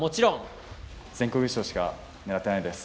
全国優勝しか狙ってないです。